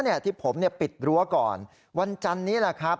เพราะว่ามีทีมนี้ก็ตีความกันไปเยอะเลยนะครับ